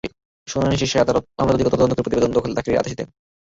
শুনানি শেষে আদালত মামলাটি অধিকতর তদন্ত করে প্রতিবেদন দাখিলের আদেশ দেন।